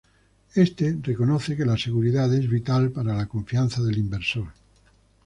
Éste reconoce que la seguridad es vital para la confianza del inversor.